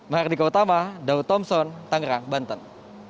mbak hardika utama daud thompson tangerang banten